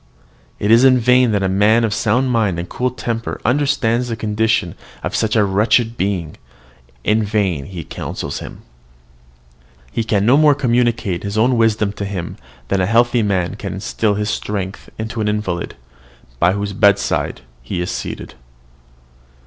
"It is in vain that a man of sound mind and cool temper understands the condition of such a wretched being, in vain he counsels him. He can no more communicate his own wisdom to him than a healthy man can instil his strength into the invalid, by whose bedside he is seated."